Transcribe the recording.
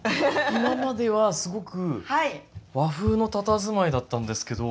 今まではすごく和風のたたずまいだったんですけど。